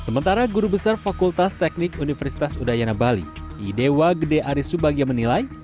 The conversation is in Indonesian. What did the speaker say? sementara guru besar fakultas teknik universitas udayana bali idewa gede aris subagia menilai